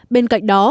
bên cạnh đó